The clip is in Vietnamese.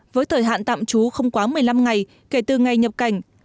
với thời hạn tạm trú không quá một mươi năm ngày kể từ ngày nhập cảnh